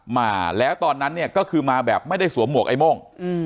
มาแล้วตอนนั้นเนี่ยก็คือมาแบบไม่ได้สวมหวกไอ้โม่ง